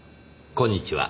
こんにちは。